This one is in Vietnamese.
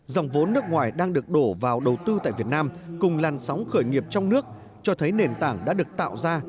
dòng vốn nước ngoài đang được đổ vào đầu tư tại việt nam cùng làn sóng khởi nghiệp trong nước cho thấy nền tảng đã được tạo ra